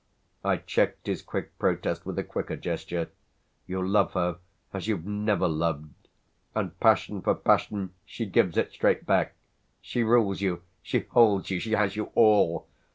I checked his quick protest with a quicker gesture. "You love her as you've never loved, and, passion for passion, she gives it straight back! She rules you, she holds you, she has you all!